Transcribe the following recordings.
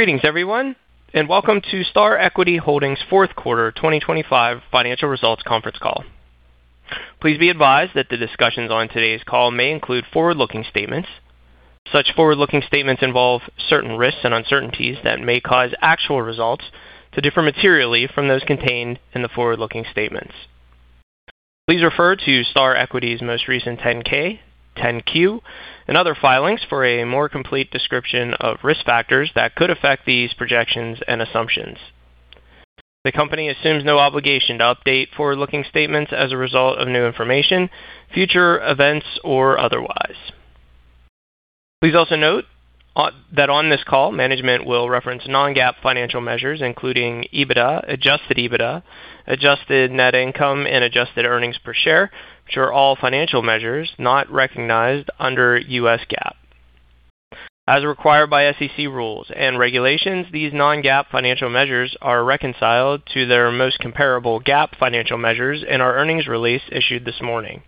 Greetings everyone, and welcome to Star Equity Holdings fourth quarter 2025 financial results conference call. Please be advised that the discussions on today's call may include forward-looking statements. Such forward-looking statements involve certain risks and uncertainties that may cause actual results to differ materially from those contained in the forward-looking statements. Please refer to Star Equity's most recent 10-K, 10-Q, and other filings for a more complete description of risk factors that could affect these projections and assumptions. The company assumes no obligation to update forward-looking statements as a result of new information, future events, or otherwise. Please also note that on this call, management will reference non-GAAP financial measures, including EBITDA, adjusted EBITDA, adjusted net income, and adjusted earnings per share, which are all financial measures not recognized under U.S. GAAP. As required by SEC rules and regulations, these non-GAAP financial measures are reconciled to their most comparable GAAP financial measures in our earnings release issued this morning.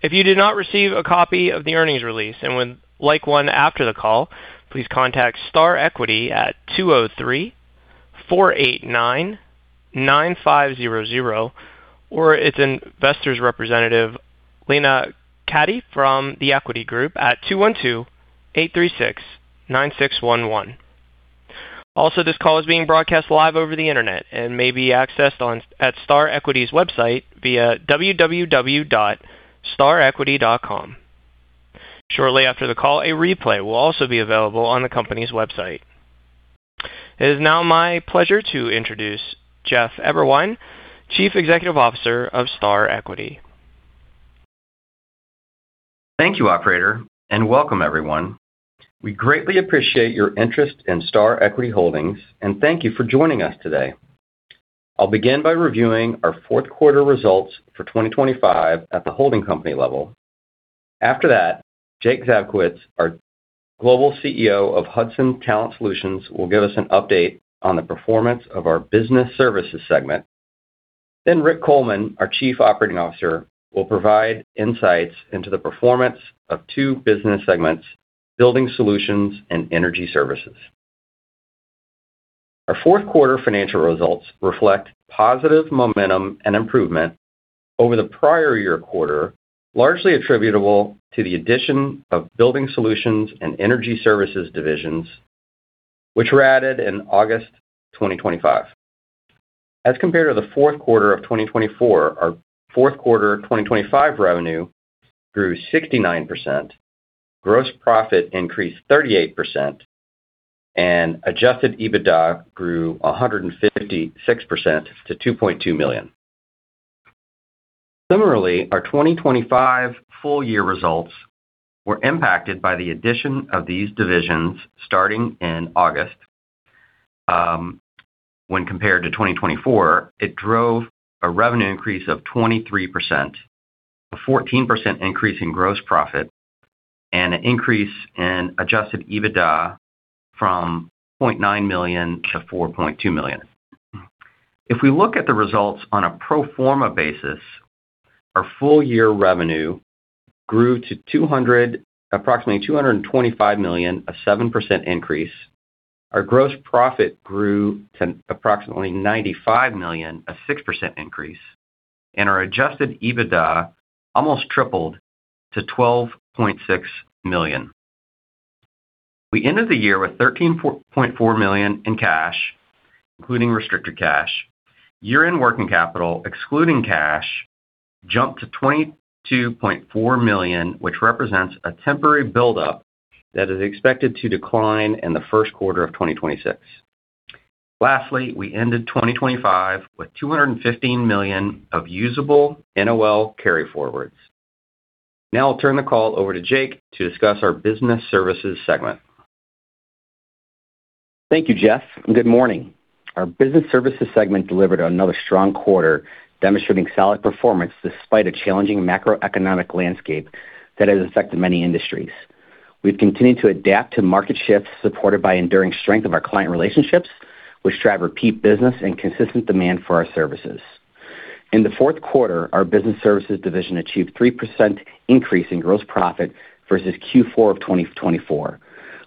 If you did not receive a copy of the earnings release and would like one after the call, please contact Star Equity at 203-489-9500, or its investors representative, Lena Cati from The Equity Group at 212-836-9611. Also, this call is being broadcast live over the Internet and may be accessed at Star Equity's website via www.starequity.com. Shortly after the call, a replay will also be available on the company's website. It is now my pleasure to introduce Jeff Eberwein, Chief Executive Officer of Star Equity. Thank you, operator, and welcome everyone. We greatly appreciate your interest in Star Equity Holdings and thank you for joining us today. I'll begin by reviewing our fourth quarter results for 2025 at the holding company level. After that, Jake Zabkowicz, our Global CEO of Hudson Talent Solutions, will give us an update on the performance of our business services segment. Rick Coleman, our Chief Operating Officer, will provide insights into the performance of two business segments, building solutions and energy services. Our fourth quarter financial results reflect positive momentum and improvement over the prior year quarter, largely attributable to the addition of building solutions and energy services divisions, which were added in August 2025. As compared to the fourth quarter of 2024, our fourth quarter 2025 revenue grew 69%, gross profit increased 38%, and adjusted EBITDA grew 156% to $2.2 million. Similarly, our 2025 full year results were impacted by the addition of these divisions starting in August. When compared to 2024, it drove a revenue increase of 23%, a 14% increase in gross profit, and an increase in adjusted EBITDA from $0.9 million to $4.2 million. If we look at the results on a pro forma basis, our full year revenue grew to approximately $225 million, a 7% increase. Our gross profit grew to approximately $95 million, a 6% increase, and our adjusted EBITDA almost tripled to $12.6 million. We ended the year with $13.4 million in cash, including restricted cash. Year-end working capital, excluding cash, jumped to $22.4 million, which represents a temporary buildup that is expected to decline in the first quarter of 2026. Lastly, we ended 2025 with $215 million of usable NOL carryforwards. Now, I'll turn the call over to Jake to discuss our business services segment. Thank you, Jeff, and good morning. Our business services segment delivered another strong quarter, demonstrating solid performance despite a challenging macroeconomic landscape that has affected many industries. We've continued to adapt to market shifts supported by enduring strength of our client relationships, which drive repeat business and consistent demand for our services. In the fourth quarter, our business services division achieved 3% increase in gross profit versus Q4 of 2024,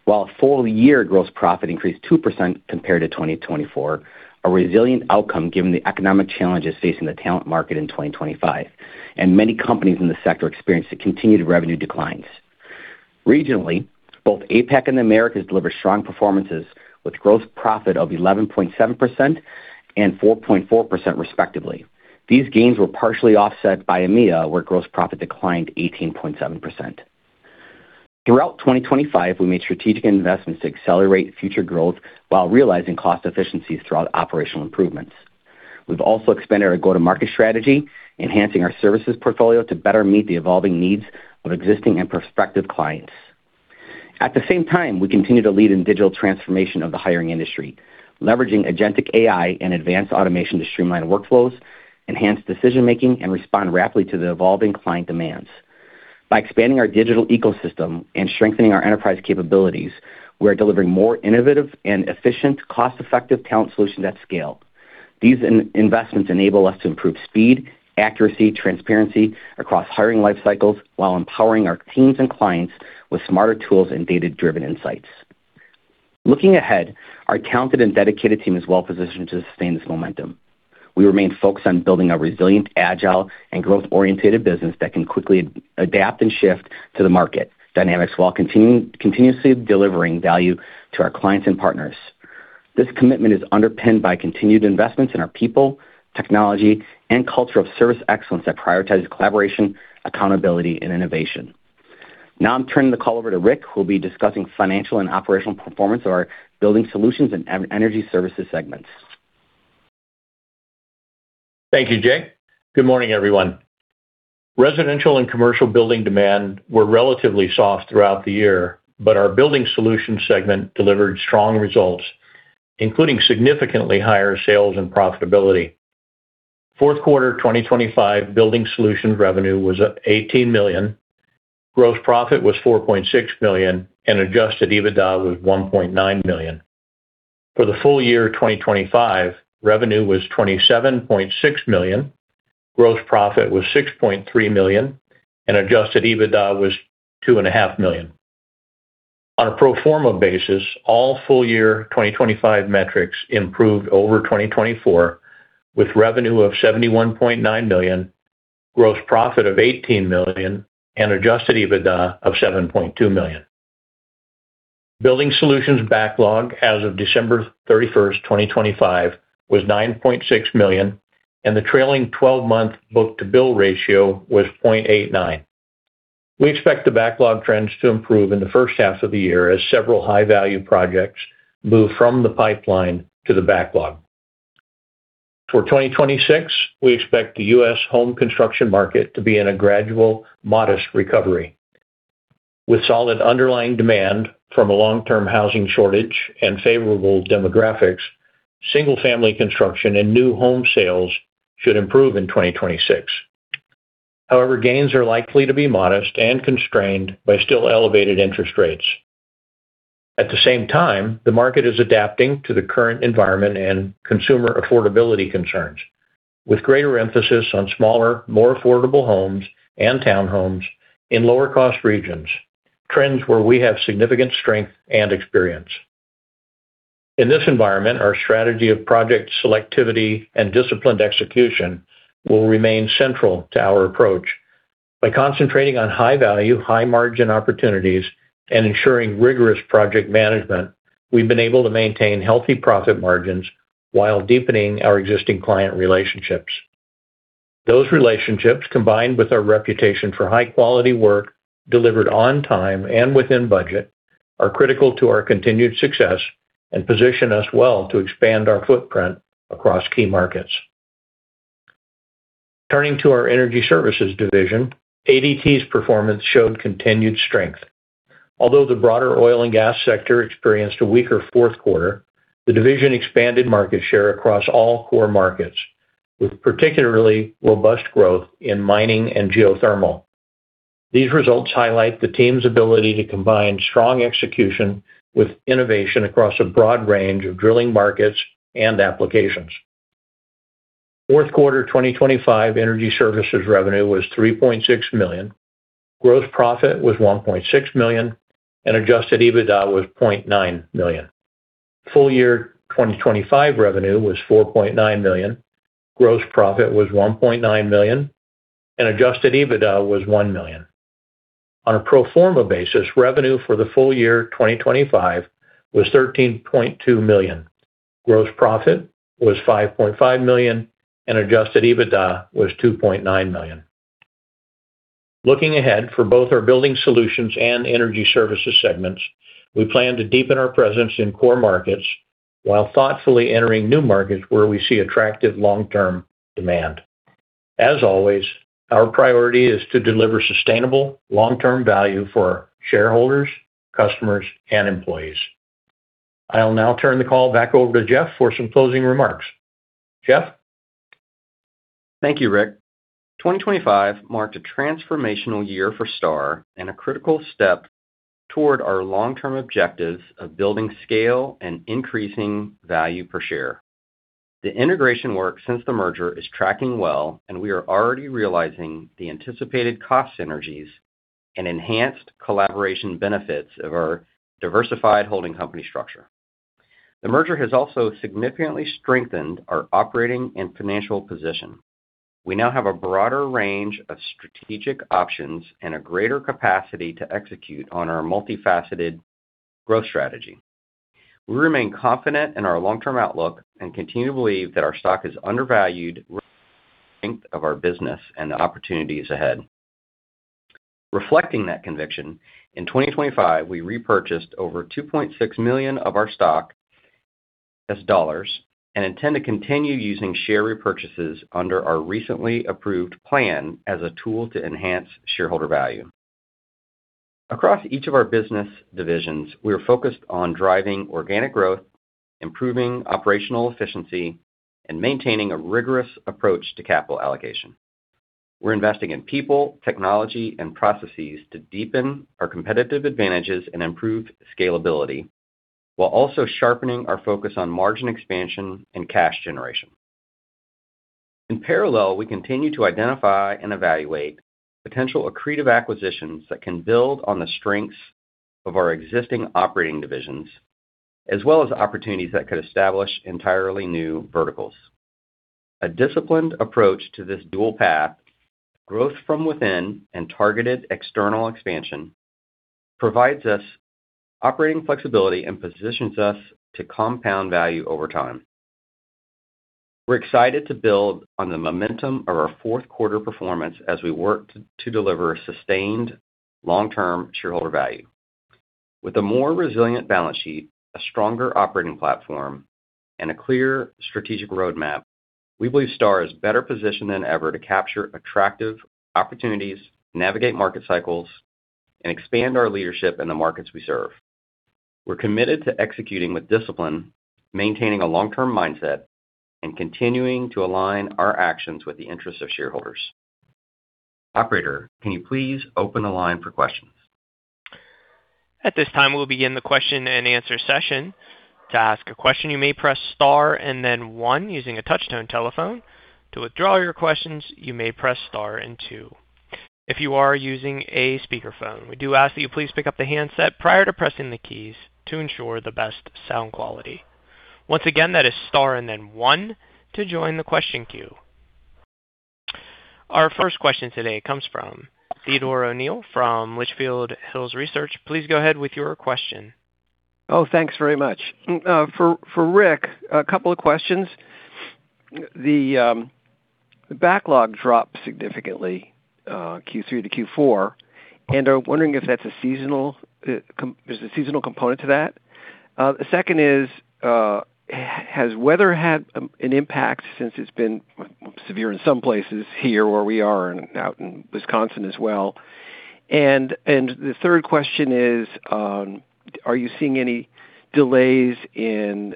while full year gross profit increased 2% compared to 2024. A resilient outcome given the economic challenges facing the talent market in 2025, and many companies in the sector experienced a continued revenue declines. Regionally, both APAC and Americas delivered strong performances with gross profit of 11.7% and 4.4% respectively. These gains were partially offset by EMEA, where gross profit declined 18.7%. Throughout 2025, we made strategic investments to accelerate future growth while realizing cost efficiencies throughout operational improvements. We've also expanded our go-to-market strategy, enhancing our services portfolio to better meet the evolving needs of existing and prospective clients. At the same time, we continue to lead in digital transformation of the hiring industry, leveraging Agentic AI and advanced automation to streamline workflows, enhance decision-making, and respond rapidly to the evolving client demands. By expanding our digital ecosystem and strengthening our enterprise capabilities, we are delivering more innovative and efficient cost-effective talent solutions at scale. These investments enable us to improve speed, accuracy, transparency across hiring life cycles while empowering our teams and clients with smarter tools and data-driven insights. Looking ahead, our talented and dedicated team is well-positioned to sustain this momentum. We remain focused on building a resilient, agile, and growth-orientated business that can quickly adapt and shift to the market dynamics while continuously delivering value to our clients and partners. This commitment is underpinned by continued investments in our people, technology, and culture of service excellence that prioritizes collaboration, accountability, and innovation. Now I'm turning the call over to Rick, who will be discussing financial and operational performance of our Building Solutions and Energy Services segments. Thank you, Jake. Good morning, everyone. Residential and commercial building demand were relatively soft throughout the year, but our building solutions segment delivered strong results, including significantly higher sales and profitability. Fourth quarter 2025 building solutions revenue was up $18 million, gross profit was $4.6 million, and adjusted EBITDA was $1.9 million. For the full year 2025, revenue was $27.6 million, gross profit was $6.3 million, and adjusted EBITDA was $2.5 million. On a pro forma basis, all full year 2025 metrics improved over 2024, with revenue of $71.9 million, gross profit of $18 million, and adjusted EBITDA of $7.2 million. Building solutions backlog as of December 31, 2025 was $9.6 million, and the trailing twelve-month book-to-bill ratio was 0.89. We expect the backlog trends to improve in the first half of the year as several high-value projects move from the pipeline to the backlog. For 2026, we expect the U.S. home construction market to be in a gradual, modest recovery. With solid underlying demand from a long-term housing shortage and favorable demographics, single-family construction and new home sales should improve in 2026. However, gains are likely to be modest and constrained by still elevated interest rates. At the same time, the market is adapting to the current environment and consumer affordability concerns with greater emphasis on smaller, more affordable homes and townhomes in lower cost regions, trends where we have significant strength and experience. In this environment, our strategy of project selectivity and disciplined execution will remain central to our approach. By concentrating on high value, high margin opportunities and ensuring rigorous project management, we've been able to maintain healthy profit margins while deepening our existing client relationships. Those relationships, combined with our reputation for high quality work delivered on time and within budget, are critical to our continued success and position us well to expand our footprint across key markets. Turning to our energy services division, ADT's performance showed continued strength. Although the broader oil and gas sector experienced a weaker fourth quarter, the division expanded market share across all core markets, with particularly robust growth in mining and geothermal. These results highlight the team's ability to combine strong execution with innovation across a broad range of drilling markets and applications. Fourth quarter 2025 energy services revenue was $3.6 million, gross profit was $1.6 million, and adjusted EBITDA was $0.9 million. Full year 2025 revenue was $4.9 million, gross profit was $1.9 million, and adjusted EBITDA was $1 million. On a pro forma basis, revenue for the full year 2025 was $13.2 million, gross profit was $5.5 million, and adjusted EBITDA was $2.9 million. Looking ahead, for both our building solutions and energy services segments, we plan to deepen our presence in core markets while thoughtfully entering new markets where we see attractive long-term demand. As always, our priority is to deliver sustainable long-term value for our shareholders, customers, and employees. I'll now turn the call back over to Jeff for some closing remarks. Jeff? Thank you, Rick. 2025 marked a transformational year for Star and a critical step toward our long-term objectives of building scale and increasing value per share. The integration work since the merger is tracking well, and we are already realizing the anticipated cost synergies and enhanced collaboration benefits of our diversified holding company structure. The merger has also significantly strengthened our operating and financial position. We now have a broader range of strategic options and a greater capacity to execute on our multifaceted growth strategy. We remain confident in our long-term outlook and continue to believe that our stock is undervalued, strength of our business and the opportunities ahead. Reflecting that conviction, in 2025, we repurchased over $2.6 million of our stock and intend to continue using share repurchases under our recently approved plan as a tool to enhance shareholder value. Across each of our business divisions, we are focused on driving organic growth, improving operational efficiency, and maintaining a rigorous approach to capital allocation. We're investing in people, technology, and processes to deepen our competitive advantages and improve scalability while also sharpening our focus on margin expansion and cash generation. In parallel, we continue to identify and evaluate potential accretive acquisitions that can build on the strengths of our existing operating divisions, as well as opportunities that could establish entirely new verticals. A disciplined approach to this dual path, growth from within and targeted external expansion, provides us operating flexibility and positions us to compound value over time. We're excited to build on the momentum of our fourth quarter performance as we work to deliver sustained long-term shareholder value. With a more resilient balance sheet, a stronger operating platform, and a clear strategic roadmap, we believe Star is better positioned than ever to capture attractive opportunities, navigate market cycles, and expand our leadership in the markets we serve. We're committed to executing with discipline, maintaining a long-term mindset, and continuing to align our actions with the interests of shareholders. Operator, can you please open the line for questions? At this time, we'll begin the question-and-answer session. To ask a question, you may press Star and then one using a touch-tone telephone. To withdraw your questions, you may press Star and two. If you are using a speakerphone, we do ask that you please pick up the handset prior to pressing the keys to ensure the best sound quality. Once again, that is Star and then one to join the question queue. Our first question today comes from Theodore O'Neill from Litchfield Hills Research. Please go ahead with your question. Oh, thanks very much. For Rick, a couple of questions. The backlog dropped significantly, Q3 to Q4, and I'm wondering if that's a seasonal component to that. The second is, has weather had an impact since it's been severe in some places here where we are and out in Wisconsin as well. The third question is, are you seeing any delays in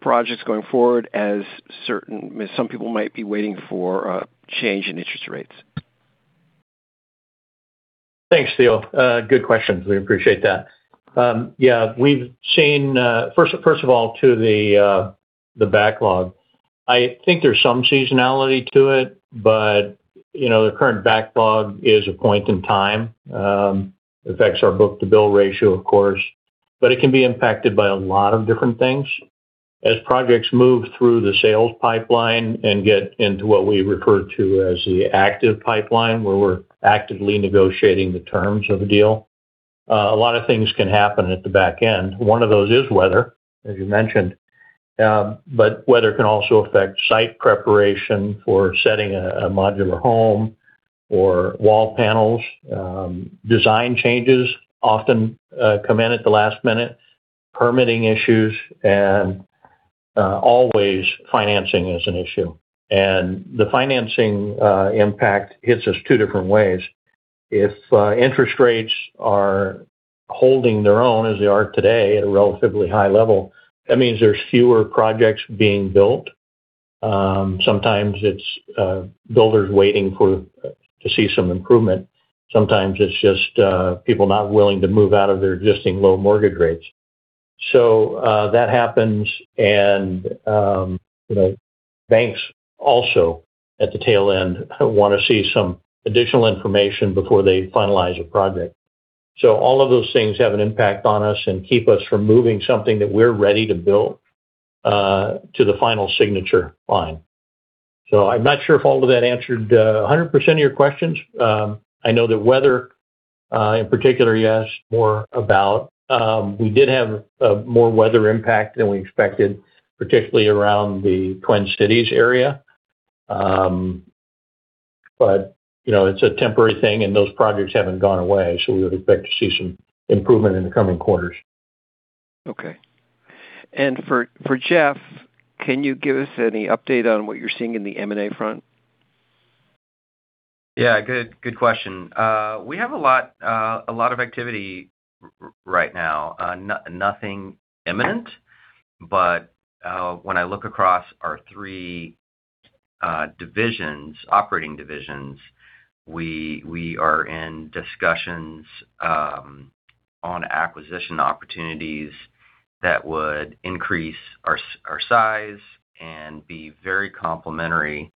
projects going forward as some people might be waiting for a change in interest rates? Thanks, Theo. Good questions. We appreciate that. Yeah, we've seen, first of all, to the backlog. I think there's some seasonality to it, but, you know, the current backlog is a point in time. Affects our book-to-bill ratio, of course, but it can be impacted by a lot of different things. As projects move through the sales pipeline and get into what we refer to as the active pipeline, where we're actively negotiating the terms of a deal, a lot of things can happen at the back end. One of those is weather, as you mentioned. But weather can also affect site preparation for setting a modular home or wall panels. Design changes often come in at the last minute, permitting issues, and always financing is an issue. The financing impact hits us two different ways. If interest rates are holding their own, as they are today at a relatively high level, that means there's fewer projects being built. Sometimes it's builders waiting to see some improvement. Sometimes it's just people not willing to move out of their existing low mortgage rates. That happens and, you know, banks also at the tail end want to see some additional information before they finalize a project. All of those things have an impact on us and keep us from moving something that we're ready to build to the final signature line. I'm not sure if all of that answered 100% of your questions. I know the weather, in particular, you asked more about. We did have more weather impact than we expected, particularly around the Twin Cities area. You know, it's a temporary thing, and those projects haven't gone away, so we would expect to see some improvement in the coming quarters. Okay. For Jeff, can you give us any update on what you're seeing in the M&A front? Yeah, good question. We have a lot of activity right now. Nothing imminent, but when I look across our three divisions, operating divisions, we are in discussions on acquisition opportunities that would increase our size and be very complementary.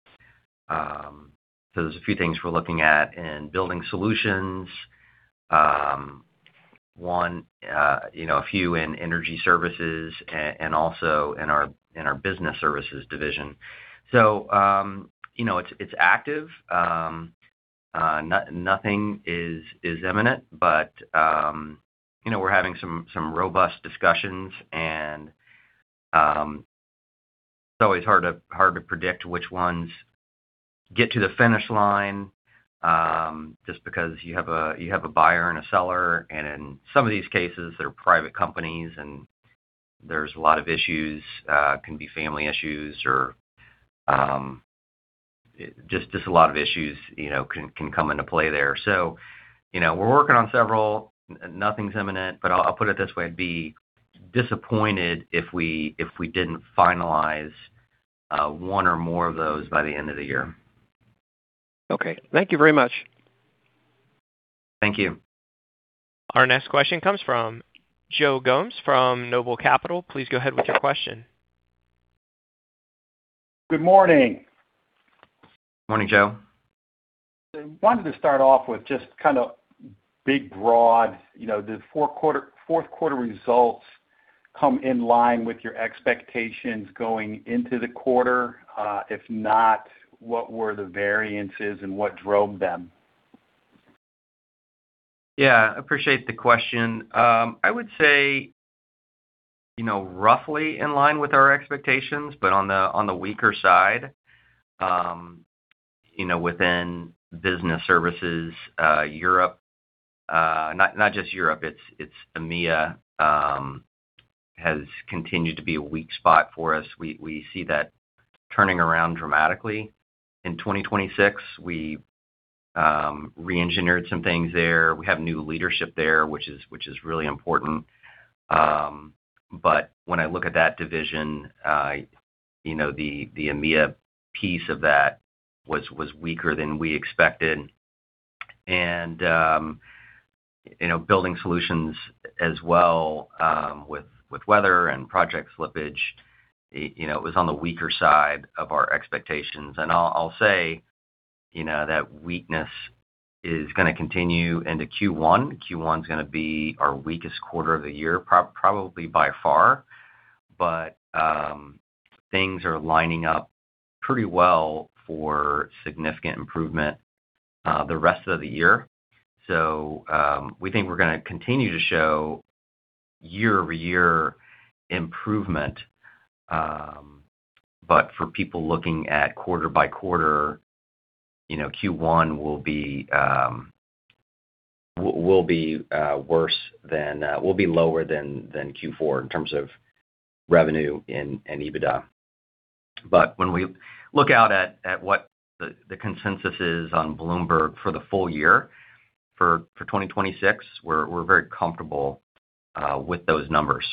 There's a few things we're looking at in building solutions. One, you know, a few in energy services and also in our business services division. You know, it's active. Nothing is imminent, but you know, we're having some robust discussions and it's always hard to predict which ones get to the finish line, just because you have a buyer and a seller, and in some of these cases, they're private companies, and there's a lot of issues. Can be family issues or just a lot of issues, you know, can come into play there. You know, we're working on several. Nothing's imminent, but I'll put it this way. It'd be disappointed if we didn't finalize one or more of those by the end of the year. Okay. Thank you very much. Thank you. Our next question comes from Joe Gomes from Noble Capital Markets. Please go ahead with your question. Good morning. Morning, Joe. I wanted to start off with just kind of big, broad, you know, did fourth quarter results come in line with your expectations going into the quarter? If not, what were the variances and what drove them? Yeah, appreciate the question. I would say, you know, roughly in line with our expectations, but on the weaker side. You know, within business services, Europe, not just Europe, it's EMEA, has continued to be a weak spot for us. We see that turning around dramatically in 2026. We reengineered some things there. We have new leadership there, which is really important. But when I look at that division, you know, the EMEA piece of that was weaker than we expected. You know, building solutions as well, with weather and project slippage, you know, it was on the weaker side of our expectations. I'll say, you know, that weakness is gonna continue into Q1. Q1 is gonna be our weakest quarter of the year, probably by far. Things are lining up pretty well for significant improvement the rest of the year. We think we're gonna continue to show year-over-year improvement. For people looking at quarter by quarter, you know, Q1 will be lower than Q4 in terms of revenue and EBITDA. When we look out at what the consensus is on Bloomberg for the full year for 2026, we're very comfortable with those numbers.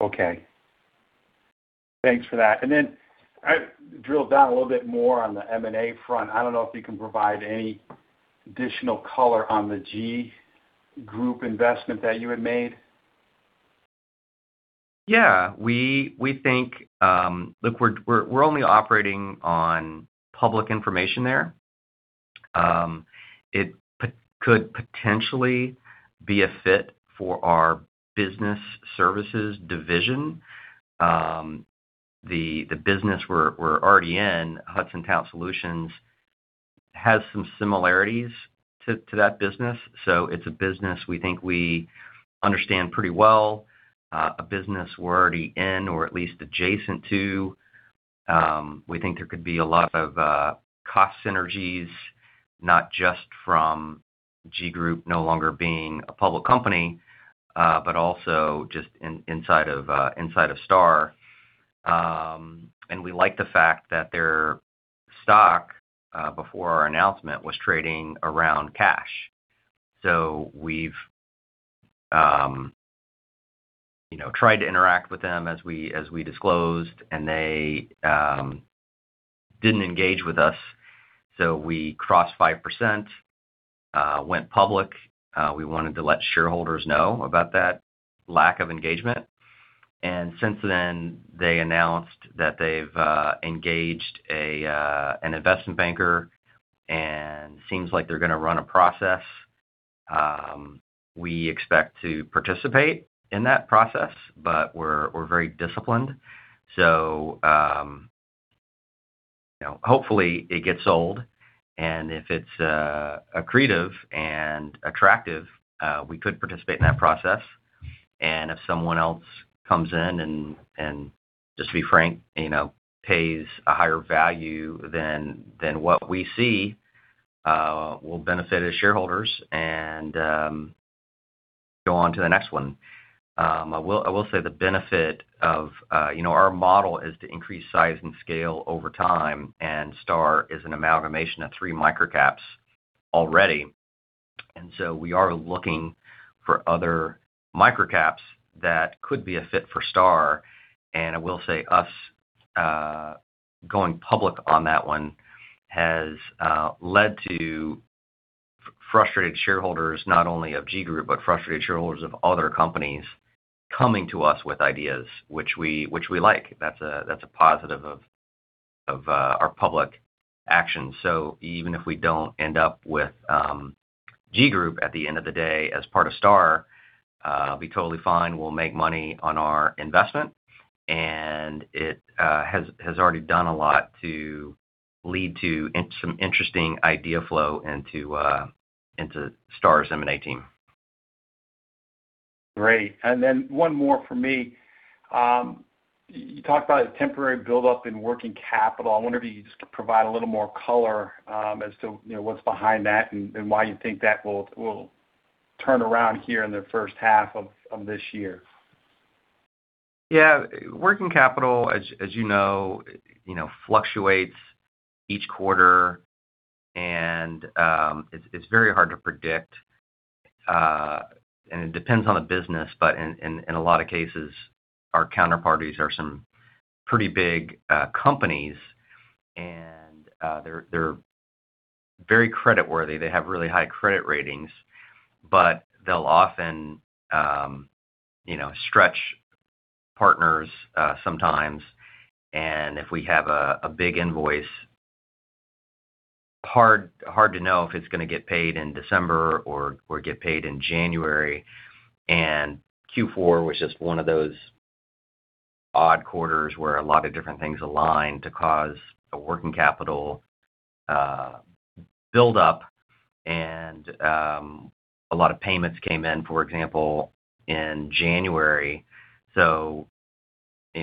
Okay. Thanks for that. I drill down a little bit more on the M&A front. I don't know if you can provide any additional color on the GEE Group investment that you had made. Yeah. We think, look, we're only operating on public information there. It could potentially be a fit for our business services division. The business we're already in, Hudson Talent Solutions, has some similarities to that business. It's a business we think we understand pretty well, a business we're already in or at least adjacent to. We think there could be a lot of cost synergies, not just from GEE Group no longer being a public company, but also just inside of Star. We like the fact that their stock, before our announcement, was trading around cash. We've tried to interact with them as we disclosed, and they didn't engage with us. We crossed 5%, went public. We wanted to let shareholders know about that lack of engagement. Since then, they announced that they've engaged an investment banker, and seems like they're gonna run a process. We expect to participate in that process, but we're very disciplined. You know, hopefully it gets sold. If it's accretive and attractive, we could participate in that process. If someone else comes in and just to be frank, you know, pays a higher value than what we see, we'll benefit as shareholders and go on to the next one. I will say the benefit of you know, our model is to increase size and scale over time, and Star is an amalgamation of three microcaps already. We are looking for other microcaps that could be a fit for Star. I will say us going public on that one has led to frustrated shareholders, not only of GEE Group, but frustrated shareholders of other companies coming to us with ideas, which we like. That's a positive of our public actions. Even if we don't end up with GEE Group at the end of the day as part of Star, it'll be totally fine. We'll make money on our investment. It has already done a lot to lead to some interesting idea flow into Star's M&A team. Great. One more for me. You talked about a temporary buildup in working capital. I wonder if you just could provide a little more color as to, you know, what's behind that and why you think that will turn around here in the first half of this year? Yeah. Working capital, as you know, fluctuates each quarter and, it's very hard to predict, and it depends on the business. In a lot of cases, our counterparties are some pretty big companies and, they're very creditworthy. They have really high credit ratings, but they'll often, you know, stretch partners, sometimes. If we have a big invoice, hard to know if it's gonna get paid in December or get paid in January. Q4 was just one of those odd quarters where a lot of different things aligned to cause a working capital build-up and, a lot of payments came in, for example, in January. You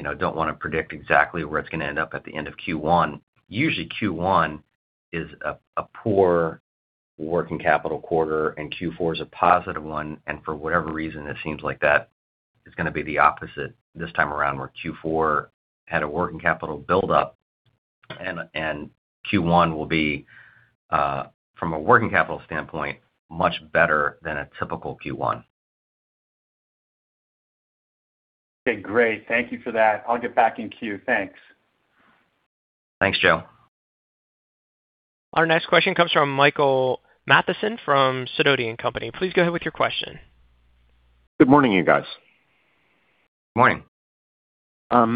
know, don't wanna predict exactly where it's gonna end up at the end of Q1. Usually, Q1 is a poor working capital quarter, and Q4 is a positive one. For whatever reason, it seems like that is gonna be the opposite this time around, where Q4 had a working capital build-up and Q1 will be from a working capital standpoint, much better than a typical Q1. Okay, great. Thank you for that. I'll get back in queue. Thanks. Thanks, Joe. Our next question comes from Michael Matson from Sidoti & Company. Please go ahead with your question. Good morning, you guys. Morning. A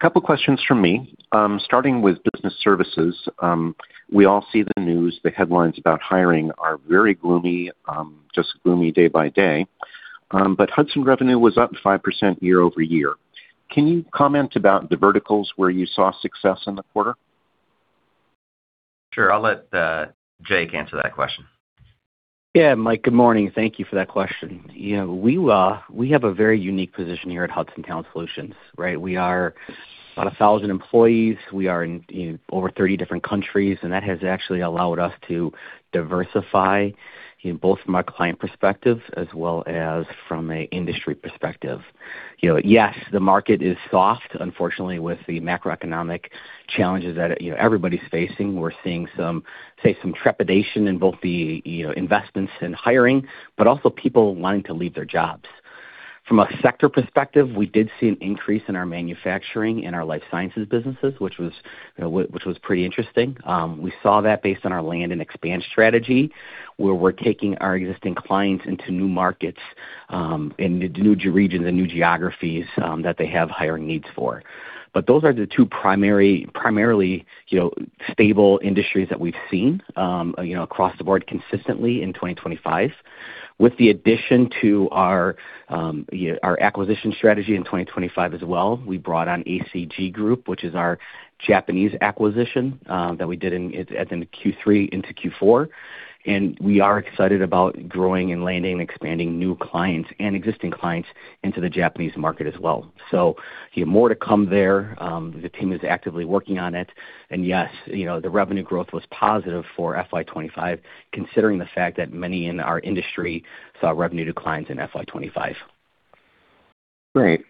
couple questions from me. Starting with business services. We all see the news. The headlines about hiring are very gloomy, just gloomy day by day. Hudson revenue was up 5% year-over-year. Can you comment about the verticals where you saw success in the quarter? Sure. I'll let Jake answer that question. Yeah. Mike, good morning. Thank you for that question. You know, we have a very unique position here at Hudson Talent Solutions, right? We are about 1,000 employees. We are in, you know, over 30 different countries, and that has actually allowed us to diversify, you know, both from a client perspective as well as from an industry perspective. You know, yes, the market is soft, unfortunately, with the macroeconomic challenges that, you know, everybody's facing. We're seeing some trepidation in both the, you know, investments in hiring, but also people wanting to leave their jobs. From a sector perspective, we did see an increase in our manufacturing and our life sciences businesses, which was pretty interesting. We saw that based on our land and expand strategy, where we're taking our existing clients into new markets, into new regions and new geographies, that they have hiring needs for. Those are the two primarily, you know, stable industries that we've seen, you know, across the board consistently in 2025. With the addition to our acquisition strategy in 2025 as well, we brought on ACG Group, which is our Japanese acquisition, that we did in at the Q3 into Q4. We are excited about growing and landing and expanding new clients and existing clients into the Japanese market as well. More to come there. The team is actively working on it. Yes, you know, the revenue growth was positive for FY 2025, considering the fact that many in our industry saw revenue declines in FY 2025. Great.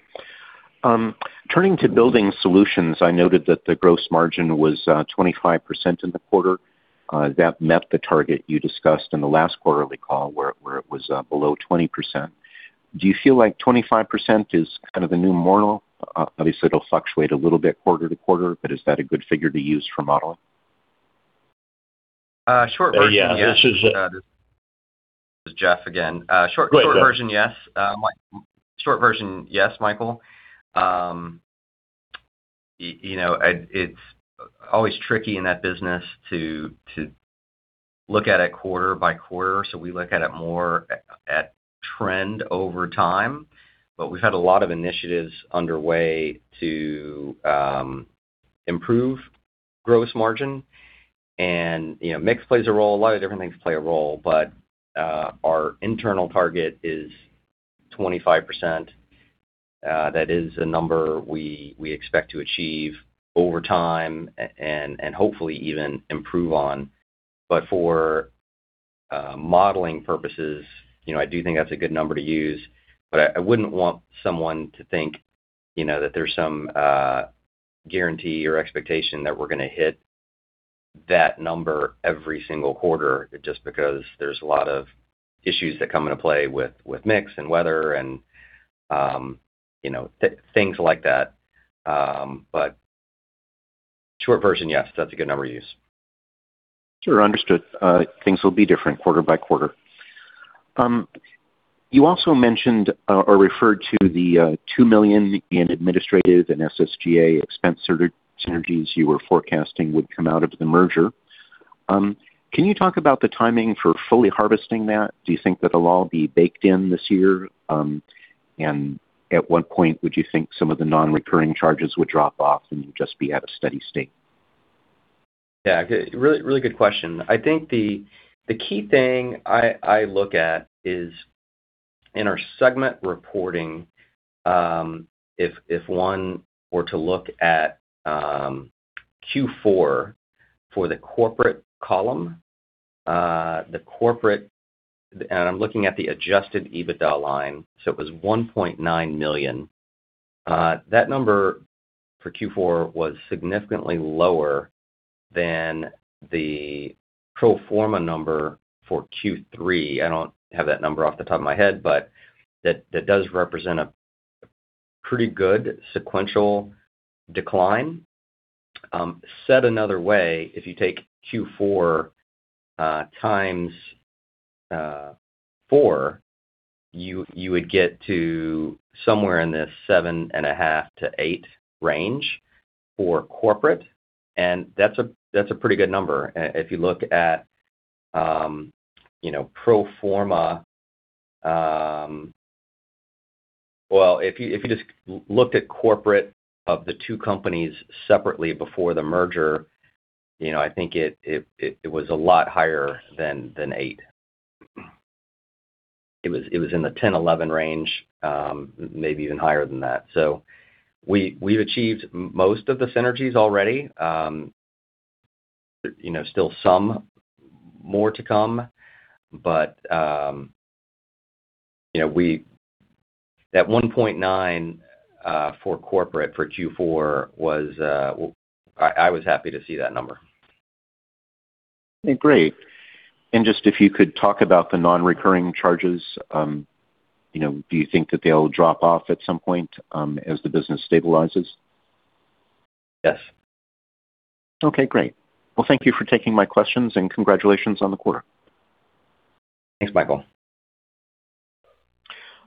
Turning to building solutions, I noted that the gross margin was 25% in the quarter. That met the target you discussed in the last quarterly call where it was below 20%. Do you feel like 25% is kind of the new normal? Obviously, it'll fluctuate a little bit quarter to quarter, but is that a good figure to use for modeling? Short version, yes. Yeah. This is Jeff again. Go ahead, Jeff. Short version, yes, Michael. You know, it's always tricky in that business to look at it quarter by quarter, so we look at it more at trend over time. We've had a lot of initiatives underway to improve gross margin and, you know, mix plays a role. A lot of different things play a role, but our internal target is 25%. That is a number we expect to achieve over time and hopefully even improve on. For modeling purposes, you know, I do think that's a good number to use, but I wouldn't want someone to think, you know, that there's some guarantee or expectation that we're gonna hit that number every single quarter just because there's a lot of issues that come into play with mix and weather and, you know, things like that. Short version, yes, that's a good number to use. Sure. Understood. Things will be different quarter by quarter. You also mentioned or referred to the $2 million in administrative and SG&A expense synergies you were forecasting would come out of the merger. Can you talk about the timing for fully harvesting that? Do you think that'll all be baked in this year? At what point would you think some of the non-recurring charges would drop off and you'll just be at a steady state? Yeah. Really good question. I think the key thing I look at is in our segment reporting, if one were to look at Q4 for the corporate column, the corporate and I'm looking at the adjusted EBITDA line. So it was $1.9 million. That number for Q4 was significantly lower than the pro forma number for Q3. I don't have that number off the top of my head, but that does represent a pretty good sequential decline. Said another way, if you take Q4 times four, you would get to somewhere in this $7.5 million-$8 million range for corporate, and that's a pretty good number. If you look at, you know, pro forma. Well, if you just looked at corporate of the two companies separately before the merger, you know, I think it was a lot higher than 8. It was in the 10, 11 range, maybe even higher than that. So we've achieved most of the synergies already. You know, still some more to come, but you know, that 1.9 for corporate for Q4 was. I was happy to see that number. Great. Just if you could talk about the non-recurring charges, you know, do you think that they'll drop off at some point, as the business stabilizes? Yes. Okay, great. Well, thank you for taking my questions, and congratulations on the quarter. Thanks, Michael.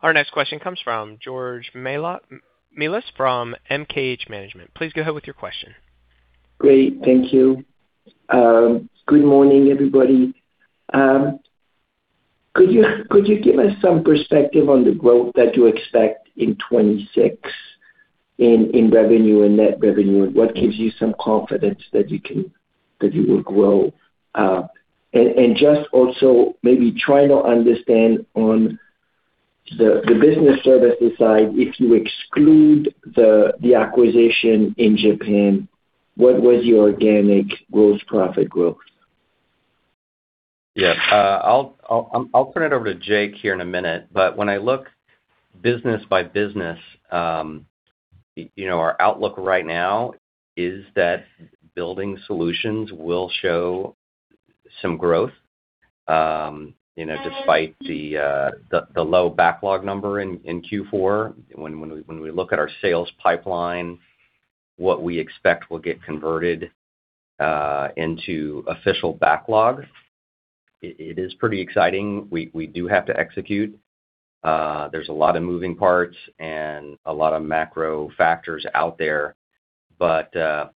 Our next question comes from George John Melas-Kyriazi from MKH Management. Please go ahead with your question. Great. Thank you. Good morning, everybody. Could you give us some perspective on the growth that you expect in 2026 in revenue and net revenue, and what gives you some confidence that you will grow? Just also maybe try to understand on the business services side, if you exclude the acquisition in Japan, what was your organic growth profit growth? Yeah. I'll turn it over to Jake here in a minute. When I look business by business, you know, our outlook right now is that Building Solutions will show some growth, you know, despite the low backlog number in Q4. When we look at our sales pipeline, what we expect will get converted into official backlog, it is pretty exciting. We do have to execute. There's a lot of moving parts and a lot of macro factors out there, but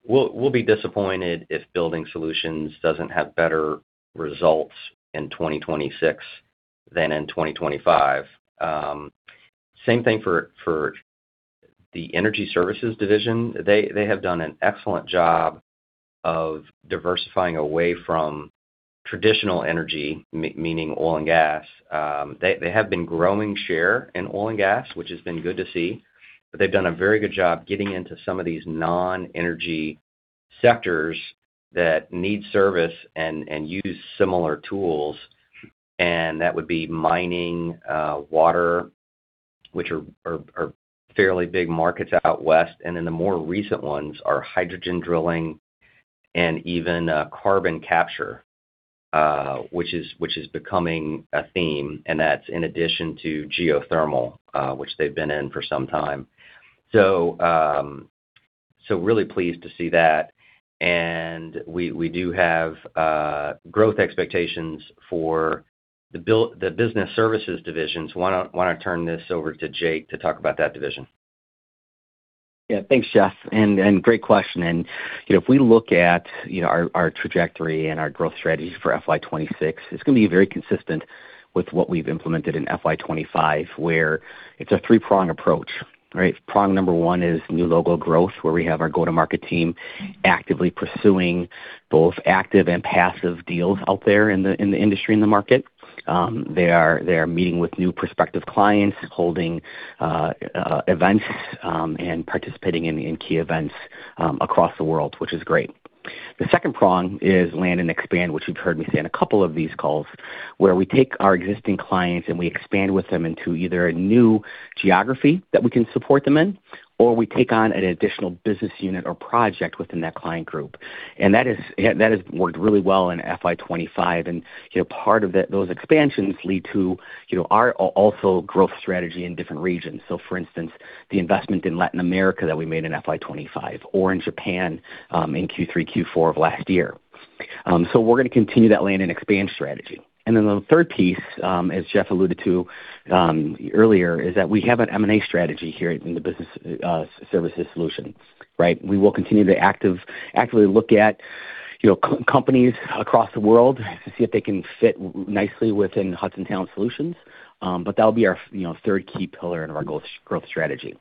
we'll be disappointed if Building Solutions doesn't have better results in 2026 than in 2025. Same thing for the Energy Services division. They have done an excellent job of diversifying away from traditional energy, meaning oil and gas. They have been growing share in oil and gas, which has been good to see. They've done a very good job getting into some of these non-energy sectors that need service and use similar tools, and that would be mining, water, which are fairly big markets out west. Then the more recent ones are hydrogen drilling and even carbon capture, which is becoming a theme, and that's in addition to geothermal, which they've been in for some time. Really pleased to see that. We do have growth expectations for the business services divisions. Why don't I turn this over to Jake to talk about that division? Yeah. Thanks, Jeff, great question. If we look at our trajectory and our growth strategy for FY 2026, it's gonna be very consistent with what we've implemented in FY 2025, where it's a three-prong approach, right? Prong number one is new logo growth, where we have our go-to-market team actively pursuing both active and passive deals out there in the industry and the market. They are meeting with new prospective clients, holding events, and participating in key events across the world, which is great. The second prong is land and expand, which you've heard me say in a couple of these calls, where we take our existing clients, and we expand with them into either a new geography that we can support them in, or we take on an additional business unit or project within that client group. That has worked really well in FY 25. You know, part of those expansions lead to, you know, our also growth strategy in different regions. For instance, the investment in Latin America that we made in FY 25 or in Japan, in Q3, Q4 of last year. We're gonna continue that land and expand strategy. The third piece, as Jeff alluded to, earlier, is that we have an M&A strategy here in the business, services solutions, right? We will continue to actively look at, you know, companies across the world to see if they can fit nicely within the Hudson Talent Solutions. That'll be our, you know, third key pillar in our growth strategy.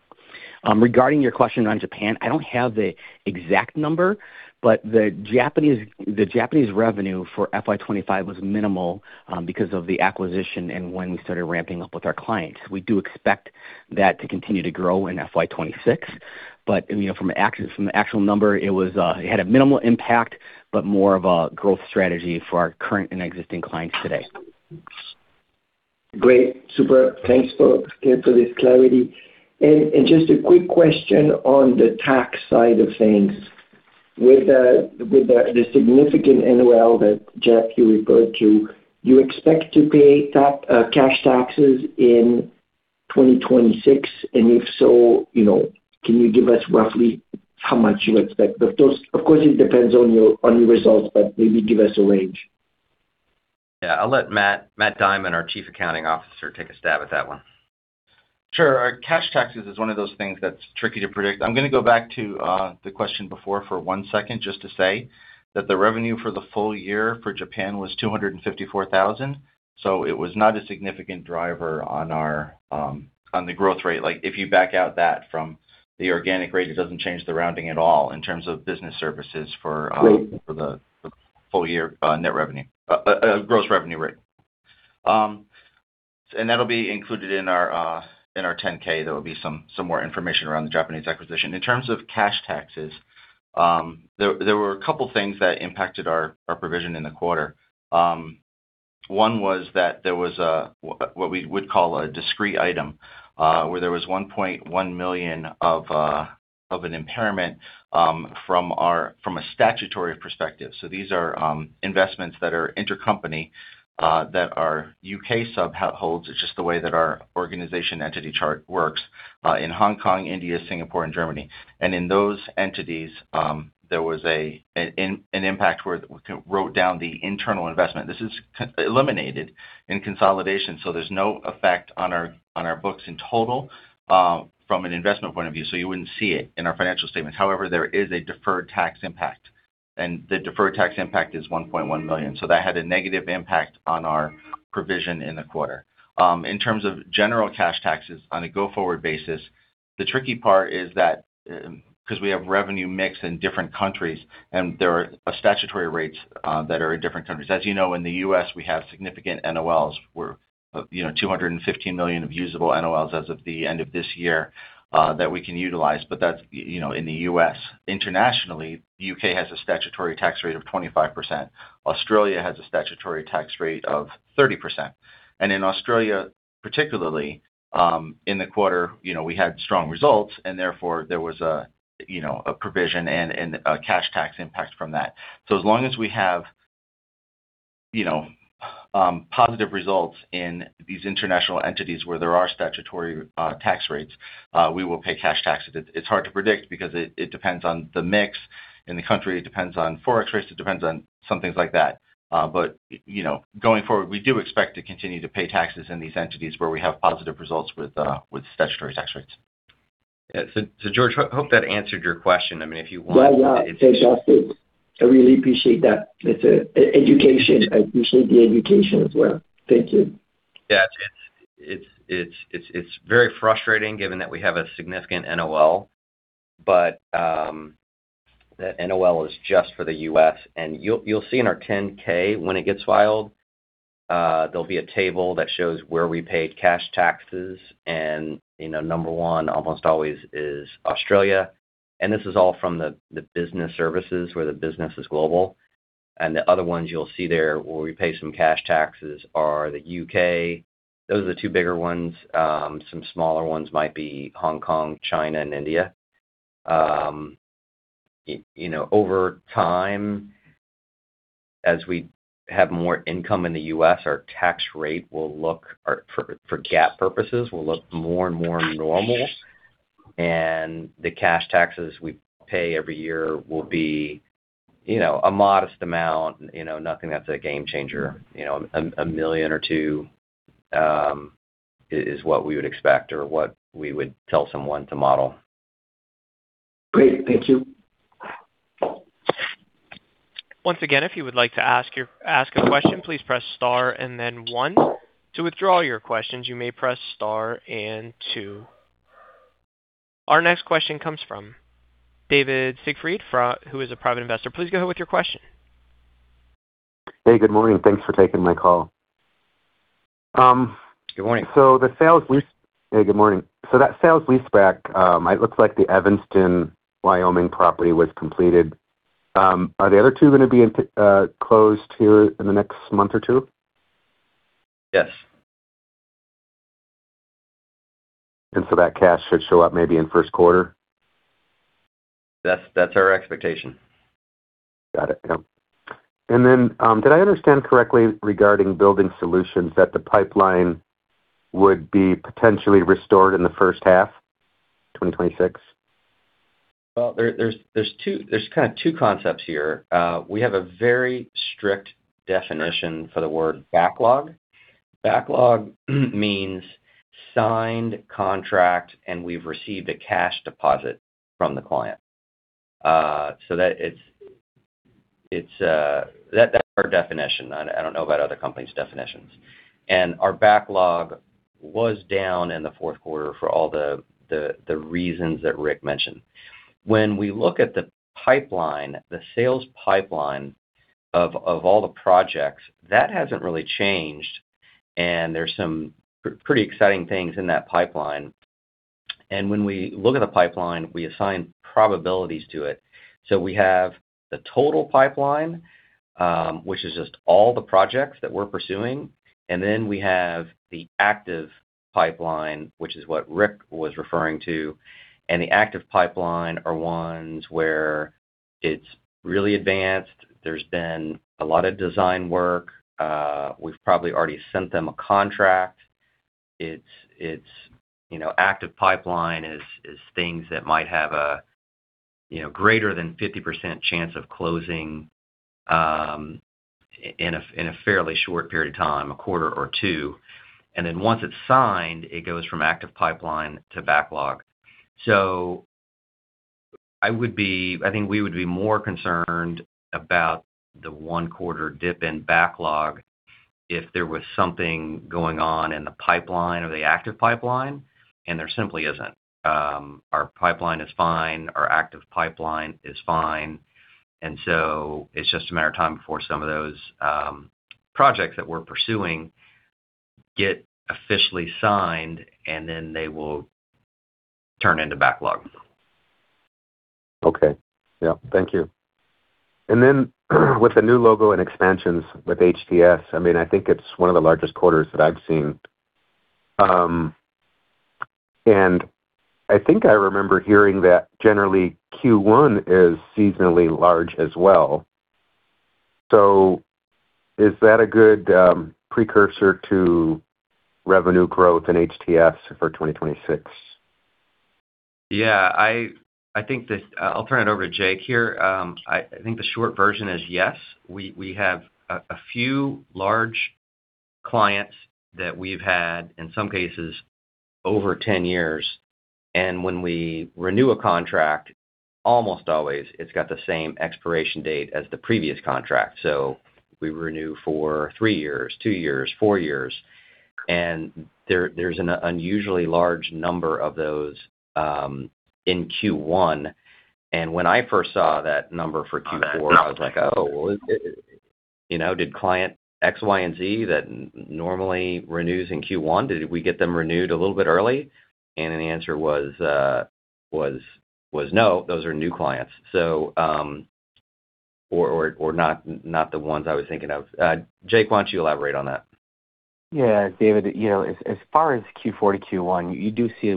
Regarding your question on Japan, I don't have the exact number, but the Japanese revenue for FY 25 was minimal, because of the acquisition and when we started ramping up with our clients. We do expect that to continue to grow in FY 26. You know, from the actual number, it was. It had a minimal impact, but more of a growth strategy for our current and existing clients today. Great. Super. Thanks, folks, again, for this clarity. Just a quick question on the tax side of things. With the significant NOL that Jeff Eberwein, you referred to, do you expect to pay cash taxes in 2026? If so, you know, can you give us roughly how much you expect? Those, of course, it depends on your results, but maybe give us a range. Yeah. I'll let Matt Diamond, our Chief Accounting Officer, take a stab at that one. Sure. Our cash taxes is one of those things that's tricky to predict. I'm gonna go back to the question before for one second just to say that the revenue for the full year for Japan was $254,000. It was not a significant driver on the growth rate. Like, if you back out that from the organic rate, it doesn't change the rounding at all in terms of business services for, Great For the full year, net revenue. Gross revenue rate. That'll be included in our 10-K. There will be some more information around the Japanese acquisition. In terms of cash taxes, there were a couple things that impacted our provision in the quarter. One was that there was what we would call a discrete item, where there was $1.1 million of an impairment, from a statutory perspective. These are investments that are intercompany, that our UK sub holds. It's just the way that our organizational entity chart works, in Hong Kong, India, Singapore, and Germany. In those entities, there was an impact where we wrote down the internal investment. This is eliminated in consolidation, so there's no effect on our books in total, from an investment point of view, so you wouldn't see it in our financial statements. However, there is a deferred tax impact, and the deferred tax impact is $1.1 million. So that had a negative impact on our provision in the quarter. In terms of general cash taxes on a go-forward basis, the tricky part is that, 'cause we have revenue mix in different countries, and there are statutory rates that are in different countries. As you know, in the U.S., we have significant NOLs. We're, you know, $215 million of usable NOLs as of the end of this year, that we can utilize, but that's, you know, in the U.S. Internationally, U.K. has a statutory tax rate of 25%. Australia has a statutory tax rate of 30%. In Australia, particularly, in the quarter, you know, we had strong results and therefore there was a you know, a provision and a cash tax impact from that. As long as we have, you know, positive results in these international entities where there are statutory tax rates, we will pay cash taxes. It's hard to predict because it depends on the mix in the country. It depends on forex rates. It depends on some things like that. But you know, going forward, we do expect to continue to pay taxes in these entities where we have positive results with statutory tax rates. Yeah. George, hope that answered your question. I mean, if you want. Well, yeah. Fantastic. I really appreciate that. It's education. I appreciate the education as well. Thank you. Yeah. It's very frustrating given that we have a significant NOL, but that NOL is just for the U.S. You'll see in our 10-K when it gets filed, there'll be a table that shows where we paid cash taxes and, you know, number one almost always is Australia, and this is all from the business services where the business is global. The other ones you'll see there where we pay some cash taxes are the U.K. Those are the two bigger ones. Some smaller ones might be Hong Kong, China and India. You know, over time, as we have more income in the U.S., our tax rate will look for GAAP purposes more and more normal. The cash taxes we pay every year will be, you know, a modest amount, you know, nothing that's a game changer. You know, $1 million or $2 million is what we would expect or what we would tell someone to model. Great. Thank you. Once again, if you would like to ask a question, please press star and then one. To withdraw your questions, you may press star and two. Our next question comes from David Siegfried who is a private investor. Please go ahead with your question. Hey, good morning. Thanks for taking my call. Good morning. Hey, good morning. That sales leaseback, it looks like the Evanston, Wyoming property was completed. Are the other two gonna be closed here in the next month or two? Yes. That cash should show up maybe in first quarter? That's our expectation. Got it. Yeah. Did I understand correctly regarding building solutions that the pipeline would be potentially restored in the first half, 2026? There are kind of two concepts here. We have a very strict definition for the word backlog. Backlog means signed contract, and we've received a cash deposit from the client. That's our definition. I don't know about other companies' definitions. Our backlog was down in the fourth quarter for all the reasons that Rick mentioned. When we look at the pipeline, the sales pipeline of all the projects, that hasn't really changed, and there's some pretty exciting things in that pipeline. When we look at a pipeline, we assign probabilities to it. We have the total pipeline, which is just all the projects that we're pursuing, and then we have the active pipeline, which is what Rick was referring to. The active pipeline are ones where it's really advanced. There's been a lot of design work. We've probably already sent them a contract. It's you know, active pipeline is things that might have a greater than 50% chance of closing in a fairly short period of time, a quarter or two. Then once it's signed, it goes from active pipeline to backlog. I think we would be more concerned about the one-quarter dip in backlog if there was something going on in the pipeline or the active pipeline, and there simply isn't. Our pipeline is fine. Our active pipeline is fine. It's just a matter of time before some of those projects that we're pursuing get officially signed, and then they will turn into backlog. Okay. Yeah. Thank you. Then with the new logo and expansions with HTS, I mean, I think it's one of the largest quarters that I've seen. I think I remember hearing that generally Q1 is seasonally large as well. Is that a good precursor to revenue growth in HTS for 2026? I think I'll turn it over to Jake here. I think the short version is yes. We have a few large clients that we've had, in some cases, over 10 years. When we renew a contract, almost always it's got the same expiration date as the previous contract. We renew for three years, two years, four years. There's an unusually large number of those in Q1. When I first saw that number for Q4, I was like, "Oh, well, you know, did client X, Y, and Z that normally renews in Q1, did we get them renewed a little bit early?" The answer was no, those are new clients. Or not the ones I was thinking of. Jake, why don't you elaborate on that? Yeah. David, as far as Q4 to Q1, we do see,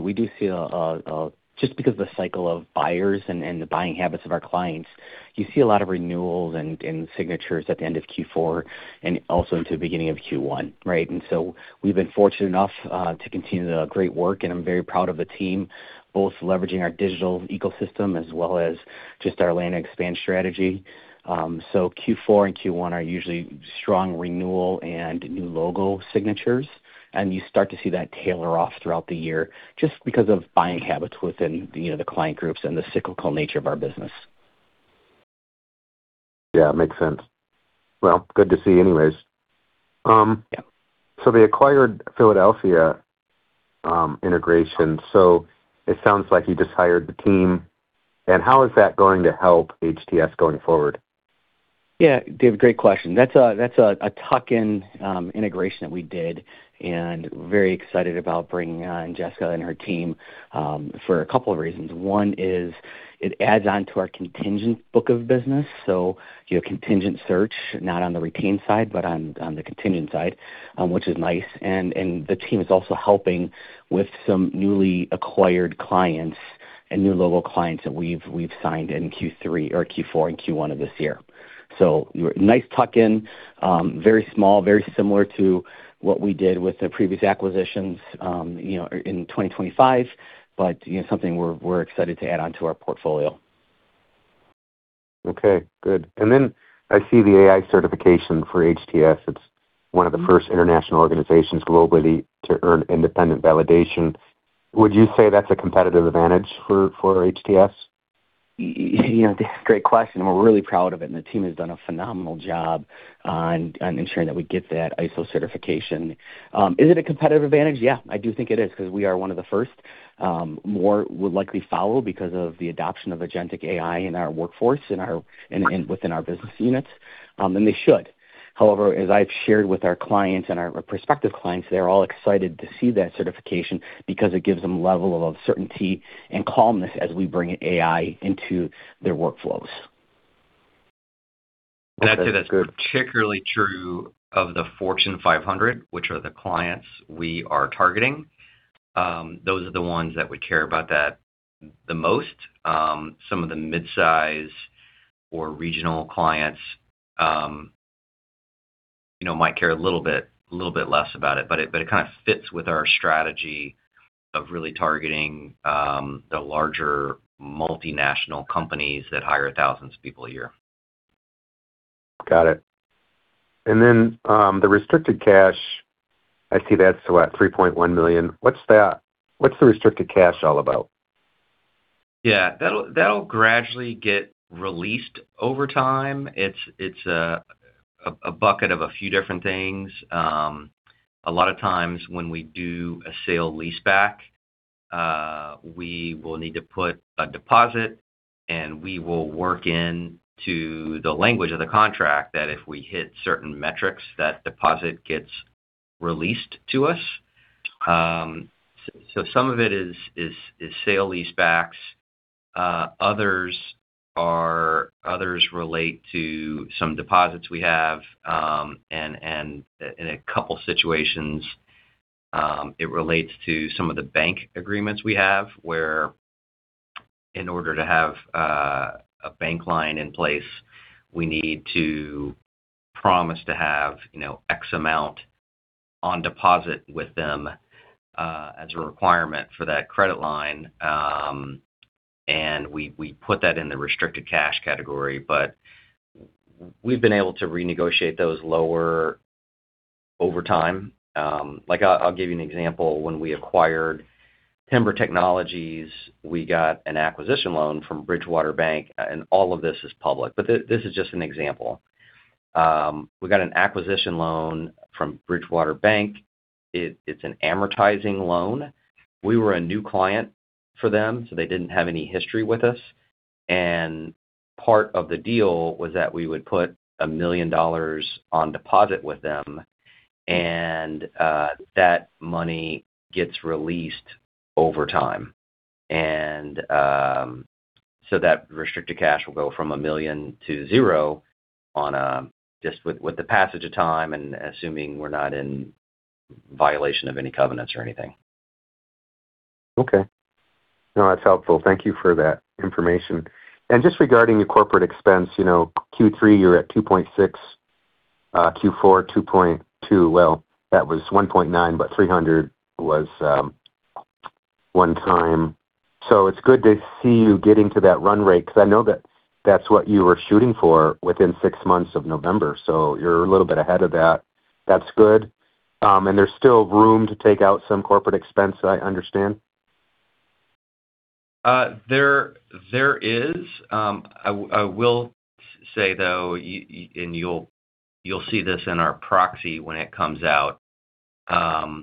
just because of the cycle of buyers and the buying habits of our clients, you see a lot of renewals and signatures at the end of Q4 and also into the beginning of Q1, right? We've been fortunate enough to continue the great work, and I'm very proud of the team, both leveraging our digital ecosystem as well as just our land-and-expand strategy. Q4 and Q1 are usually strong renewal and new logo signatures, and you start to see that taper off throughout the year just because of buying habits within the client groups and the cyclical nature of our business. Yeah. Makes sense. Well, good to see anyways. Yeah. They acquired The Philadelphia Group, integration. It sounds like you just hired the team. How is that going to help HTS going forward? Yeah. Dave, great question. That's a tuck-in integration that we did, and very excited about bringing on Jessica and her team for a couple of reasons. One is it adds on to our contingent book of business, so, you know, contingent search, not on the retained side, but on the contingent side, which is nice. The team is also helping with some newly acquired clients and new logo clients that we've signed in Q3 or Q4 and Q1 of this year. Nice tuck in, very small, very similar to what we did with the previous acquisitions, you know, in 2025, but, you know, something we're excited to add on to our portfolio. Okay, good. I see the AI certification for HTS. It's one of the first international organizations globally to earn independent validation. Would you say that's a competitive advantage for HTS? You know, great question. We're really proud of it, and the team has done a phenomenal job on ensuring that we get that ISO certification. Is it a competitive advantage? Yeah, I do think it is 'cause we are one of the first. More would likely follow because of the adoption of Agentic AI in our workforce within our business units, and they should. However, as I've shared with our clients and our prospective clients, they're all excited to see that certification because it gives them a level of certainty and calmness as we bring AI into their workflows. I'd say that's particularly true of the Fortune 500, which are the clients we are targeting. Those are the ones that would care about that the most. Some of the mid-size or regional clients, you know, might care a little bit less about it. But it kind of fits with our strategy of really targeting the larger multinational companies that hire thousands of people a year. Got it. The restricted cash, I see that's what? $3.1 million. What's that? What's the restricted cash all about? Yeah. That'll gradually get released over time. It's a bucket of a few different things. A lot of times when we do a sale leaseback, we will need to put a deposit. We will work into the language of the contract that if we hit certain metrics, that deposit gets released to us. Some of it is sale leasebacks. Others relate to some deposits we have, and in a couple situations, it relates to some of the bank agreements we have where in order to have a bank line in place, we need to promise to have, you know, X amount on deposit with them, as a requirement for that credit line. We put that in the restricted cash category. We've been able to renegotiate those lower over time. Like, I'll give you an example. When we acquired Timber Technologies, we got an acquisition loan from Bridgewater Bank and all of this is public, but this is just an example. We got an acquisition loan from Bridgewater Bank. It's an amortizing loan. We were a new client for them, so they didn't have any history with us. Part of the deal was that we would put $1 million on deposit with them, and that money gets released over time. So that restricted cash will go from $1 million to $0 just with the passage of time and assuming we're not in violation of any covenants or anything. Okay. No, that's helpful. Thank you for that information. Just regarding your corporate expense, you know, Q3, you're at $2.6, Q4, $2.2. Well, that was $1.9, but $300 was one time. It's good to see you getting to that run rate because I know that that's what you were shooting for within 6 months of November. You're a little bit ahead of that. That's good. There's still room to take out some corporate expense, I understand. There is. I will say, though, you'll see this in our proxy when it comes out. A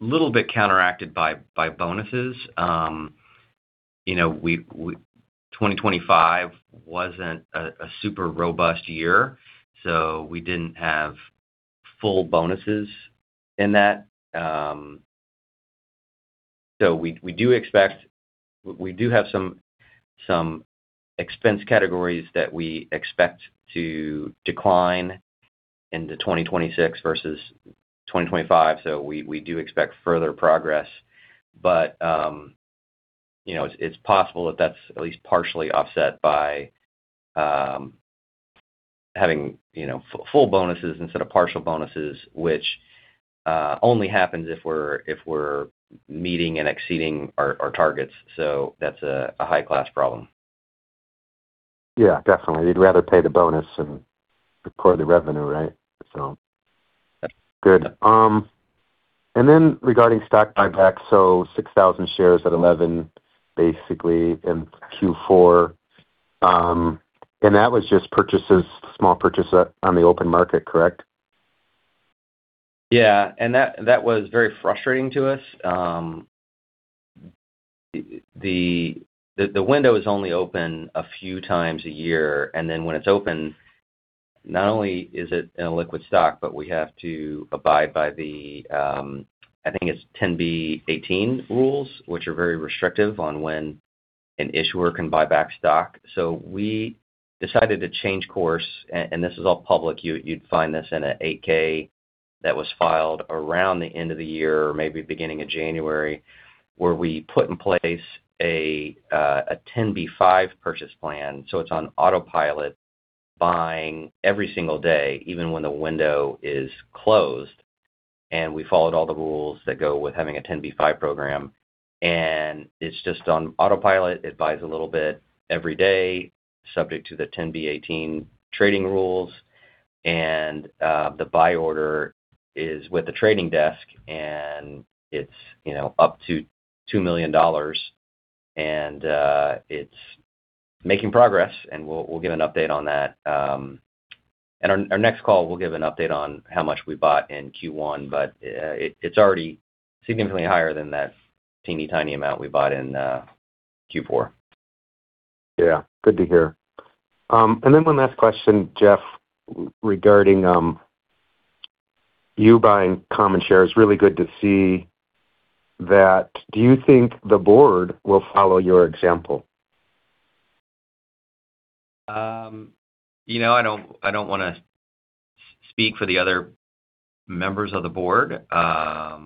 little bit counteracted by bonuses. You know, 2025 wasn't a super robust year, so we didn't have full bonuses in that. We do have some expense categories that we expect to decline into 2026 versus 2025. We do expect further progress. You know, it's possible that that's at least partially offset by having full bonuses instead of partial bonuses, which only happens if we're meeting and exceeding our targets. That's a high-class problem. Yeah, definitely. You'd rather pay the bonus than record the revenue, right? Good. Regarding stock buyback, so 6,000 shares at $11 basically in Q4. That was just purchases, small purchases on the open market, correct? Yeah. That was very frustrating to us. The window is only open a few times a year, and then when it's open, not only is it an illiquid stock, but we have to abide by the I think it's 10b-18 rules, which are very restrictive on when an issuer can buy back stock. We decided to change course, and this is all public. You'd find this in an 8-K that was filed around the end of the year or maybe beginning of January, where we put in place a 10b5-1 purchase plan. It's on autopilot, buying every single day, even when the window is closed. We followed all the rules that go with having a 10b5-1 program. It's just on autopilot. It buys a little bit every day, subject to the 10b-18 trading rules. The buy order is with the trading desk, and it's, you know, up to $2 million. It's making progress, and we'll give an update on that. In our next call we'll give an update on how much we bought in Q1, but it's already significantly higher than that teeny-tiny amount we bought in Q4. Yeah, good to hear. Then one last question, Jeff, regarding you buying common shares. Really good to see that. Do you think the board will follow your example? You know, I don't wanna speak for the other members of the board. Let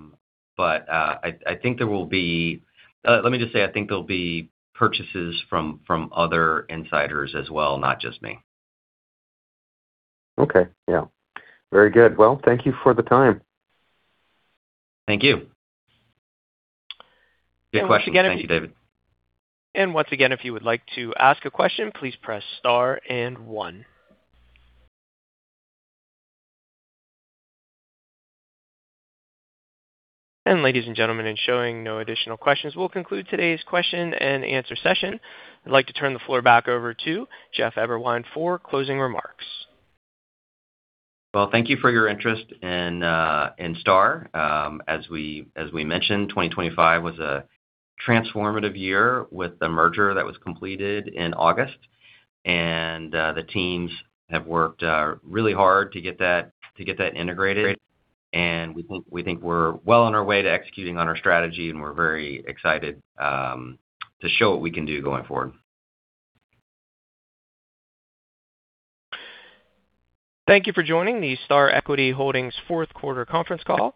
me just say, I think there'll be purchases from other insiders as well, not just me. Okay. Yeah. Very good. Well, thank you for the time. Thank you. Good question. Thank you, David. Once again, if you would like to ask a question, please press star and one. Ladies and gentlemen, in showing no additional questions, we'll conclude today's question and answer session. I'd like to turn the floor back over to Jeff Eberwein for closing remarks. Well, thank you for your interest in Star. As we mentioned, 2025 was a transformative year with the merger that was completed in August. The teams have worked really hard to get that integrated. We think we're well on our way to executing on our strategy, and we're very excited to show what we can do going forward. Thank you for joining the Star Equity Holdings fourth quarter conference call.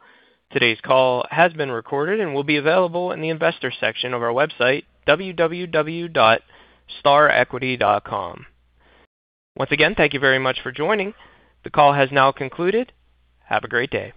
Today's call has been recorded and will be available in the investor section of our website, www.starequity.com. Once again, thank you very much for joining. The call has now concluded. Have a great day.